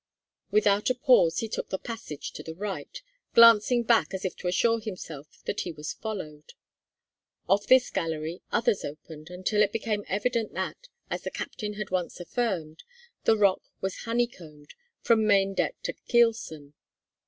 Without a pause he took the passage to the right, glancing back as if to assure himself that he was followed. Off this gallery others opened, until it became evident that, as the captain had once affirmed, the rock was honeycombed "from maindeck to keelson."